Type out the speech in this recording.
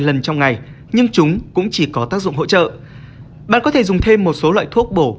loại nước này nhưng chúng cũng chỉ có tác dụng hỗ trợ bạn có thể dùng thêm một số loại thuốc bổ